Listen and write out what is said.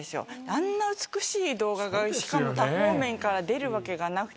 あんな美しい動画が、しかも多方面から出るわけがなくて。